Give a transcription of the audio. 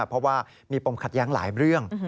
เพราะว่ามีปมขัดแย้งหลายเรื่อง